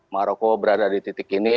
maroko berada di titik ini